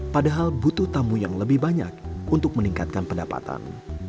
padahal butuh tamu yang lebih banyak untuk meningkatkan pendapatan